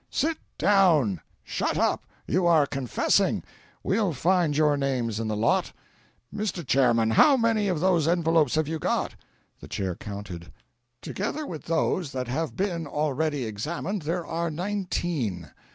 sit down! Shut up! You are confessing. We'll find your names in the lot." "Mr. Chairman, how many of those envelopes have you got?" The Chair counted. "Together with those that have been already examined, there are nineteen."